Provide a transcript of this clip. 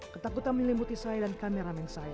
ketakutan menyelimuti saya dan kameramen saya